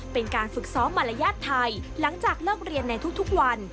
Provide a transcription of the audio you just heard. เป็นการฝึกซ้อมมารยาทไทยหลังจากเลิกเรียนในทุกวัน